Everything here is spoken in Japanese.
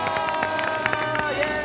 イエーイ！